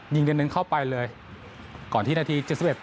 ยิงเดินเข้าไปเลยก่อนที่นาทีอีกเจ็ดสิบเอ็ด